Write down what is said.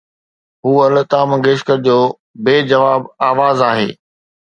هوءَ لتا منگيشڪر جو بي جواب آواز آهي.